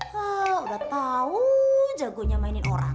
ha udah tau jagonya mainin orang